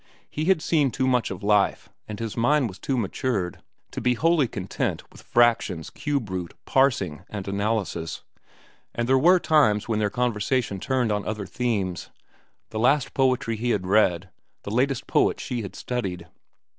He had seen too much of life, and his mind was too matured, to be wholly content with fractions, cube root, parsing, and analysis; and there were times when their conversation turned on other themes—the last poetry he had read, the latest poet she had studied.